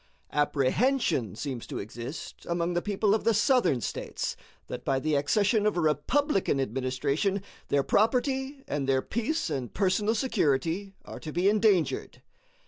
Apprehension seems to exist among the people of the Southern States that by the accession of a Republican administration their property and their peace and personal security are to be endangered.